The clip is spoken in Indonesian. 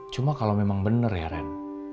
cuma kalau memang benar ya ren